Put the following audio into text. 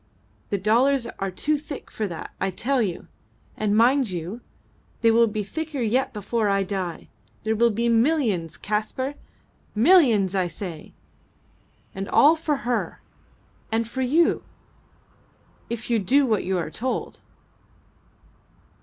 The dollars are too thick for that, I tell you! And mind you, they will be thicker yet before I die. There will be millions, Kaspar! Millions I say! And all for her and for you, if you do what you are told."